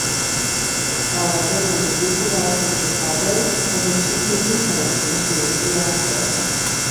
However, when the group arrives in Chicago, the mission quickly turns into a fiasco.